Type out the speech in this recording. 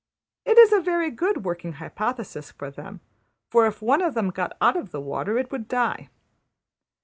It is a very good working hypothesis for them; for if one of them got out of the water it would die.